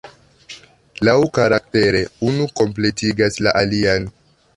Laŭkaraktere unu kompletigas la alian.